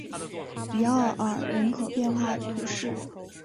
迪奥尔人口变化图示